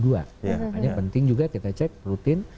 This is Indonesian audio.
hanya penting juga kita cek rutin